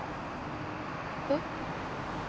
えっ？